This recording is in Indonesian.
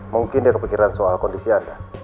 mungkin dia kepikiran soal kondisi anda